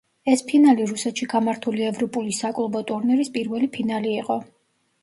ეს ფინალი რუსეთში გამართული ევროპული საკლუბო ტურნირის პირველი ფინალი იყო.